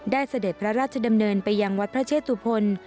เสด็จพระราชดำเนินไปยังวัดพระเชตุพล